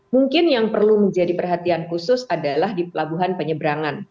mungkin yang perlu menjadi perhatian khusus adalah di pelabuhan penyeberangan